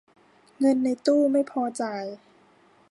เงินในตู้ไม่พอจ่าย